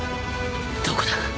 どこだ？